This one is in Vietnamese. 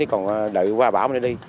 còn đợi qua bão mình đi